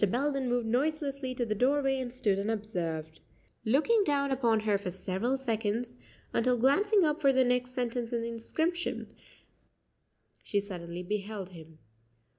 Belden moved noiselessly to the doorway, and stood unobserved, looking down upon her for several seconds, until glancing up for the next sentence in the inscription, she suddenly beheld him.